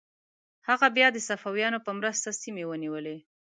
هغه بیا د صفویانو په مرسته سیمې ونیولې.